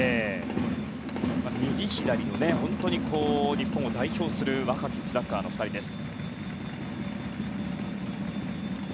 右、左の日本を代表する若きスラッガーの２人です。